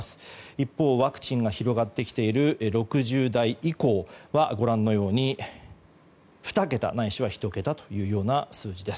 一方、ワクチンが広がってきている６０代以降は２桁ないし１桁という数字です。